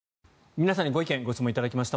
皆さんにご意見・ご質問を頂きました。